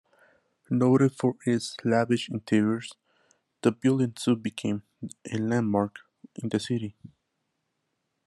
Noted for its lavish interiors, the building soon became a landmark in the city.